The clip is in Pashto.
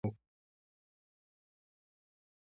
په جیب کې ټکه نه لرو خو ډنډه د خره ګرځو.